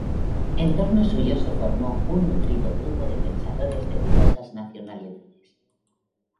En torno suyo se formó un nutrido grupo de pensadores de diversas nacionalidades.